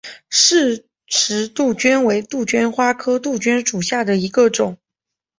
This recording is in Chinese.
饰石杜鹃为杜鹃花科杜鹃属下的一个种。